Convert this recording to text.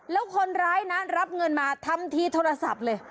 แล้วคนร้ายนั้นรับเงินมาทำทีโทรศัพท์เลย